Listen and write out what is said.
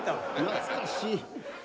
懐かしい。